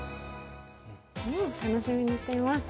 楽しみにしています。